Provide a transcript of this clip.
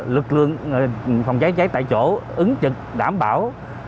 lực lượng vòng chữa cháy tại chỗ ứng trực đảm bảo